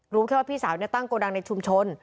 รู้แค่ว่าพี่สาวตั้งโกดังในชุมชน